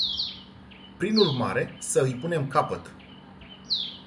Prin urmare, să îi punem capăt.